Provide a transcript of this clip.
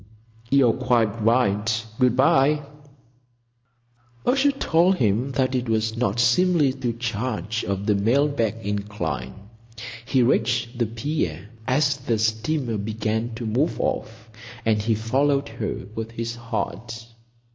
You're quite right. Good bye." A shout told him that it was not seemly to charge up the mail bag incline. He reached the pier as the steamer began to move off, and he followed her with his heart.